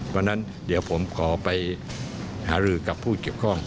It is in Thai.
เพราะฉะนั้นเดี๋ยวผมขอไปหารือกับผู้เกี่ยวข้อง